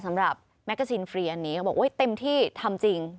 สำหรับแมกเกอร์ซีนฟรีอันนี้เขาบอกเต็มที่ทำจริง